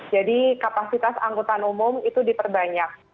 jadi kapasitas angkutan umum itu diperbanyak